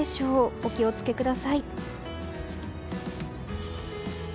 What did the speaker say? お気をつけください。